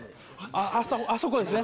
あそこですね。